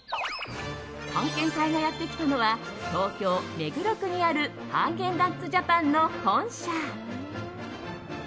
探検隊がやってきたのは東京・目黒区にあるハーゲンダッツジャパンの本社。